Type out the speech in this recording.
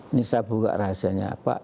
ini saya buka rahasianya apa